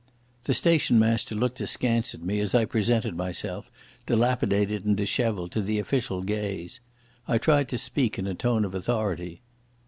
The station master looked askance at me as I presented myself, dilapidated and dishevelled, to the official gaze. I tried to speak in a tone of authority.